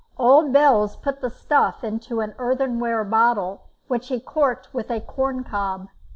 Old Belz put the stuff into an earthenware bottle, which he corked with a corncob.